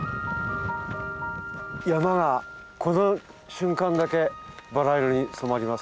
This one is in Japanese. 山がこの瞬間だけバラ色に染まります。